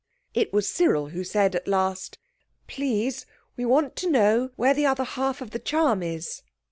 It was Cyril who said at last— "Please we want to know where the other half of the charm is."